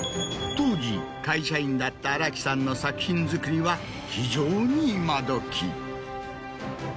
当時会社員だった荒木さんの作品作りは非常に今どき。